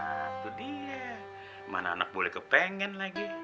ah tuh dia mana anak boleh kepengen lagi